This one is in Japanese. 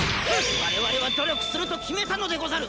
我々は努力すると決めたのでござる！